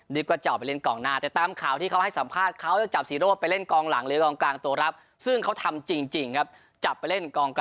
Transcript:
นึกว่าจะเอาไปเล่นกล